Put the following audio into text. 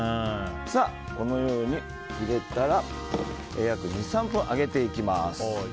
このように入れたら約２３分揚げていきます。